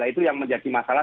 itu yang menjadi masalah